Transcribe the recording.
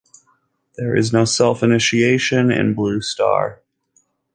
There is no self-initiation in Blue Star.